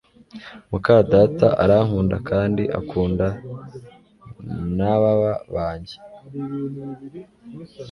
mukadata arankunda kandi akunda nababa banjye